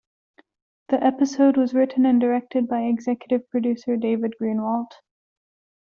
The episode was written and directed by executive producer David Greenwalt.